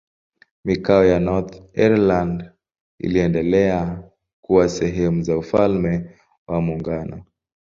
Mikoa ya Northern Ireland iliendelea kuwa sehemu za Ufalme wa Muungano.